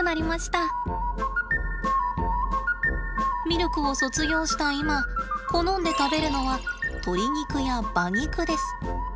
ミルクを卒業した今好んで食べるのは鶏肉や馬肉です。